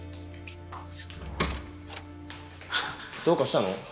どうかしたの？